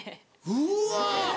うわ！